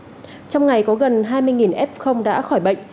trong ngày có gần hai mươi f đã khỏi bệnh